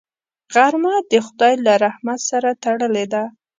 غرمه د خدای له رحمت سره تړلې ده